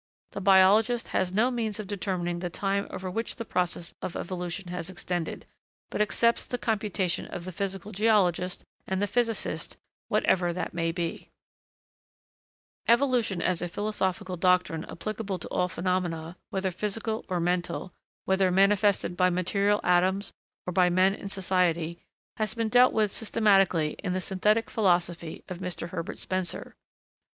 The biologist has no means of determining the time over which the process of evolution has extended, but accepts the computation of the physical geologist and the physicist, whatever that may be. [Sidenote: and philosophy] Evolution as a philosophical doctrine applicable to all phenomena, whether physical or mental, whether manifested by material atoms or by men in society, has been dealt with systematically in the 'Synthetic Philosophy' of Mr. Herbert Spencer.